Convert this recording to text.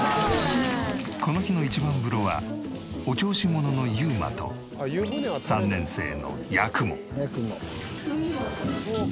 この日の一番風呂はお調子者の侑真と３年生の弥雲。